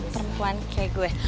perempuan kayak gue